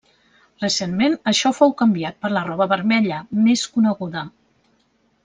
Recentment, això fou canviat per la roba vermella, més coneguda.